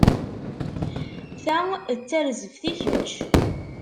Ta d tarzeft i kečč.